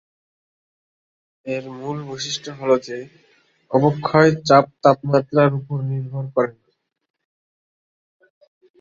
এর মূল বৈশিষ্ট্যটি হ'ল যে, অবক্ষয় চাপ তাপমাত্রার উপর নির্ভর করে না।